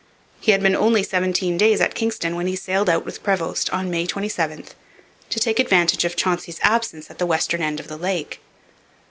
He had been only seventeen days at Kingston when he sailed out with Prevost, on May 27, to take advantage of Chauncey's absence at the western end of the lake.